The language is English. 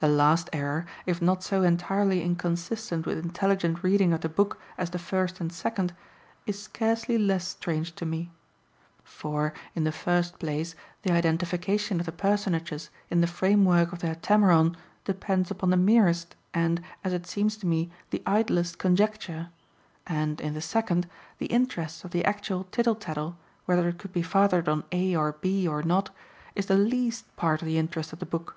The last error, if not so entirely inconsistent with intelligent reading of the book as the first and second, is scarcely less strange to me. For, in the first place, the identification of the personages in the framework of the Heptameron depends upon the merest and, as it seems to me, the idlest conjecture; and, in the second, the interest of the actual tittle tattle, whether it could be fathered on A or B or not, is the least part of the interest of the book.